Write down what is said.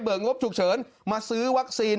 งบฉุกเฉินมาซื้อวัคซีน